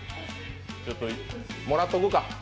ちょっともらっておくか。